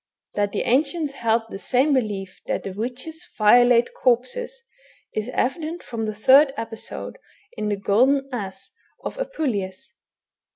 That the ancients held the same belief that the 254 THE BOOK OF WERE WOLVES. witches violate corpses, is evident from the third episode in the Golden Ass of Apuleius.